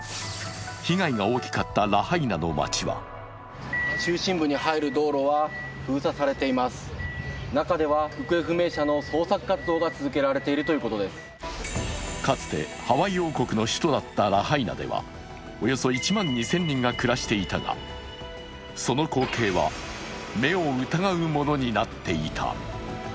被害が大きかったラハイナの街はかつてハワイ王国の首都だったラハイナではおよそ１万２０００人が暮らしていたがその光景は目を疑うものになっていた。